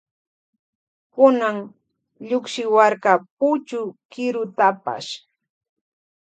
Kunan llukchiwarka puchu kirutapash.